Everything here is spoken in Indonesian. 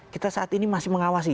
kita saat ini masih mengawasi